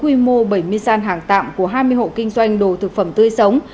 khi lực lượng cảnh sát phòng cháy chữa cháy cứu hộ kinh doanh đồ thực phẩm tươi sống